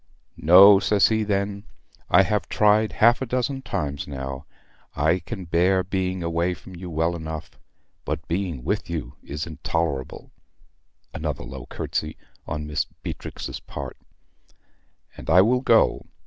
"No," says he, then: "I have tried half a dozen times now. I can bear being away from you well enough; but being with you is intolerable" (another low curtsy on Mistress Beatrix's part), "and I will go.